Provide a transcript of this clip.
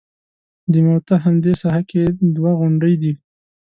د موته همدې ساحه کې دوه غونډۍ دي.